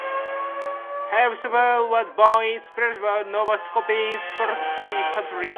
Holmes was born in Springville, Nova Scotia, in Pictou County.